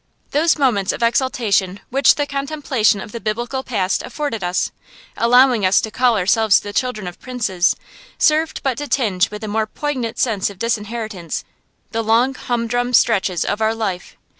Those moments of exaltation which the contemplation of the Biblical past afforded us, allowing us to call ourselves the children of princes, served but to tinge with a more poignant sense of disinheritance the long humdrum stretches of our life.